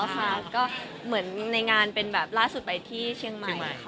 ก็เหมือนในงานเป็นแบบล่าสุดไปที่เชียงใหม่